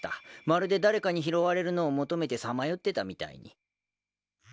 まるで誰かに拾われるのを求めてさまよってたみたいに。